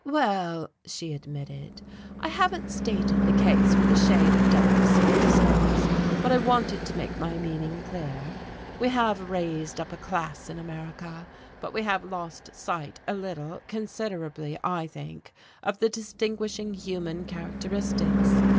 "Well," she admitted, "I haven't stated the case with the shade of delicacy it deserves, but I wanted to make my meaning clear. We have raised up a class in America, but we have lost sight, a little considerably, I think of the distinguishing human characteristics.